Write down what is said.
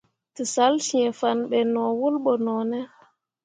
Tǝsalsyiŋfanne be no wul ɓo ne.